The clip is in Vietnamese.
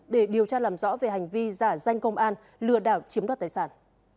để điều tra làm rõ về hành vi giả danh công an lừa đảo chiếm đoạt tài sản